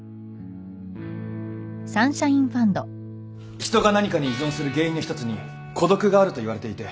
人が何かに依存する原因の一つに孤独があるといわれていて